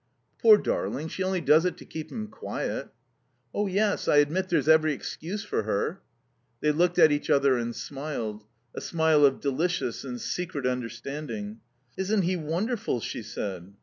"Poor darling, she only does it to keep him quiet." "Oh, yes, I admit there's every excuse for her." They looked at each other and smiled. A smile of delicious and secret understanding. "Isn't he wonderful?" she said.